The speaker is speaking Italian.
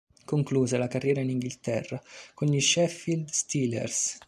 Concluse la carriera in Inghilterra con gli Sheffield Steelers.